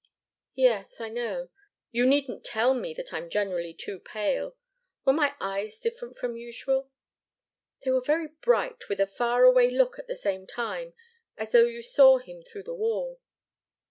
"Yes I know. You needn't tell me that I'm generally too pale. Were my eyes different from usual?" "They were very bright, with a far away look at the same time as though you saw him through the wall."